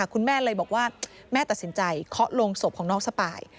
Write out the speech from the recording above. คุณแม่เลยบอกว่าแม่ตัดสินใจเคาะลงศพของน้องสปาย